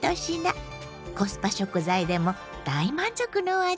コスパ食材でも大満足のお味です。